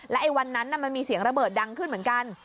ไอ้วันนั้นมันมีเสียงระเบิดดังขึ้นเหมือนกัน